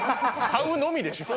買うのみでしょ。